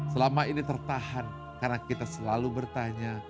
selama ini tertahan karena kita selalu bertanya